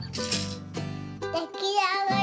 できあがり！